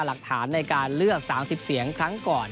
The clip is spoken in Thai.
หลักฐานในการเลือก๓๐เสียงครั้งก่อน